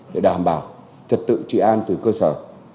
để đảm bảo trật tự trị an từ cơ sở